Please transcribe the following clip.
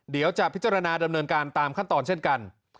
เดี๋ยวจะพิจารณาดำเนินการตามขั้นตอนเช่นกัน